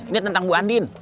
ini tentang bu andin